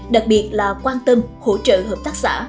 đặc biệt là quan tâm hỗ trợ hợp tác xã